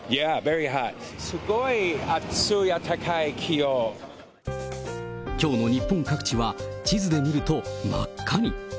すごい暑い、きょうの日本各地は、地図で見ると真っ赤に。